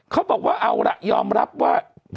เขายอมรับว่า